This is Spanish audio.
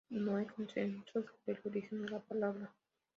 No hay consenso sobre el origen de la palabra.